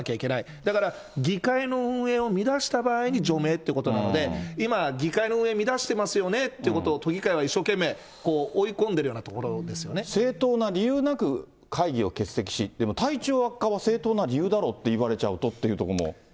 だから、議会の運営を乱した場合に除名ってことなので、今、議会の運営、乱してますよねってことを、都議会は一生懸命、追い込ん正当な理由なく会議を欠席し、でも体調悪化は正当な理由だろうって言われちゃうとってところも。